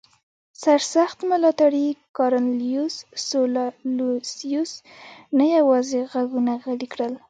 سرسخت ملاتړي کارنلیوس سولا لوسیوس نه یوازې غږونه غلي کړل